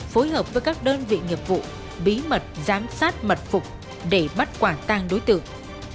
phối hợp với các đơn vị nghiệp vụ bí mật giám sát mật phục để bắt quả tang đối tượng